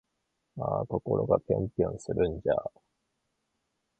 あぁ〜心がぴょんぴょんするんじゃぁ〜